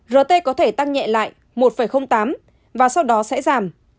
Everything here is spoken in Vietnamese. rt có thể tăng nhẹ lại một tám và sau đó sẽ giảm